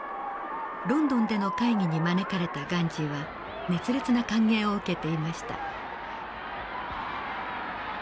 ロンドンでの会議に招かれたガンジーは熱烈な歓迎を受けていました。